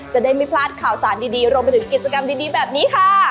จะได้ไม่พลาดข่าวสารดีรวมไปถึงกิจกรรมดีแบบนี้ค่ะ